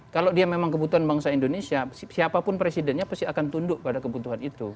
kalau dia memang kebutuhan bangsa indonesia siapapun presidennya pasti akan tunduk pada kebutuhan itu